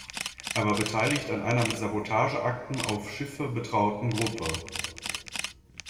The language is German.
Er war beteiligt an einer mit Sabotageakten auf Schiffe betrauten Gruppe.